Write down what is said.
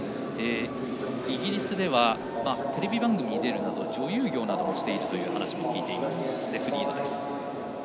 イギリスではテレビ番組に出るなど女優業などをしていると聞いているステフ・リードです。